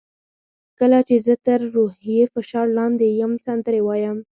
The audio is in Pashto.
کله چې زه تر روحي فشار لاندې یم سندرې وایم.